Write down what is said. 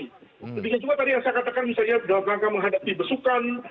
ketika juga tadi yang saya katakan misalnya dalam rangka menghadapi besukan